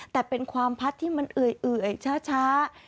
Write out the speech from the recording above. แต่เป็นความพัดที่มันเอื่อยช้า